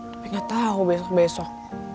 tapi gak tau besok besok